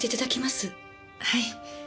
はい。